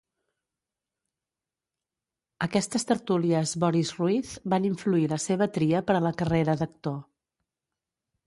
Aquestes tertúlies Boris Ruiz van influir la seva tria per a la carrera d'actor.